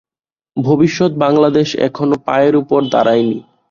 ভবিষ্যৎ বাঙলাদেশ এখনও পায়ের উপর দাঁড়ায়নি।